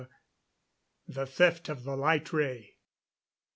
THE THEFT OF THE LIGHT RAY.